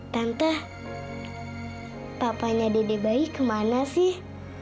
tante papanya dede bayi kemana sih